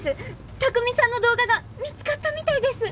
卓海さんの動画が見つかったみたいです！